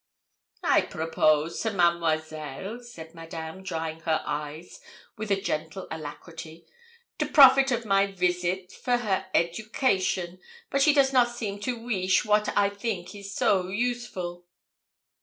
'I propose to Mademoiselle,' said Madame, drying her eyes with a gentle alacrity, 'to profit of my visit for her education. But she does not seem to weesh wat I think is so useful.'